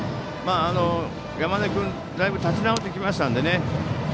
山根君、だいぶ立ち直ってきたので。